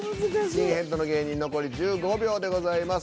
「スキンヘッドの芸人」残り１５秒でございます。